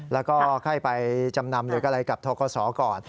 แล้วก็ให้ไปจำนำกับโทโกสรก่อน